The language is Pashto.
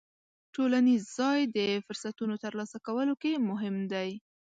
ټولنیز ځای د فرصتونو ترلاسه کولو کې مهم دی.